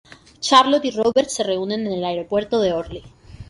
Charlotte y Robert se reúnen en el Aeropuerto de Orly.